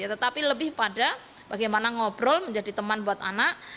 tetapi lebih pada bagaimana ngobrol menjadi teman buat anak